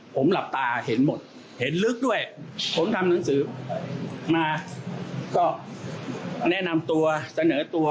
ผมหลับตาเห็นหมดเห็นลึกด้วยผมทำหนังสือมาก็แนะนำตัวเสนอตัว